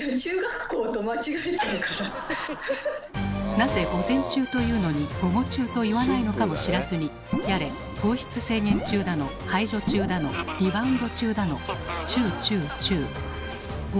なぜ「午前中」と言うのに「午後中」と言わないのかも知らずにやれ「糖質制限中」だの「解除中」だの「リバウンド中」だのチュウチュウチュウ。